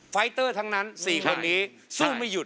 ไฟเตอร์ทั้งนั้น๔คนนี้สู้ไม่หยุด